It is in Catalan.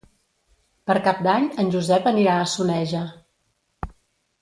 Per Cap d'Any en Josep anirà a Soneja.